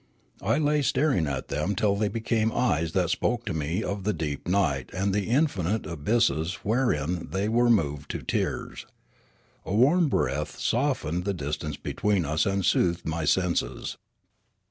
I la}^ staring at them till they became eyes that spoke to me of the deep night and the infinite abysses where in they were moved to tears. A warm breath softened the distance between us and soothed my senses.